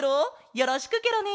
よろしくケロね！